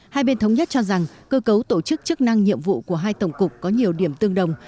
hai bên thống nhất cho rằng cơ cấu tổ chức chức năng nhiệm vụ của hai tổng cục có nhiều điểm tương đồng